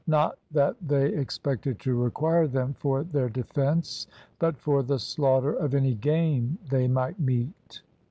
Not that they expected to require them for their defence, but for the slaughter of any game they might meet.